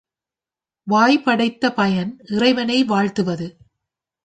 வாய் படைத்த பயன் இறைவனை வாழ்த்துவது.